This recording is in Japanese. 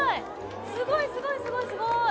すごいすごいすごいすごい。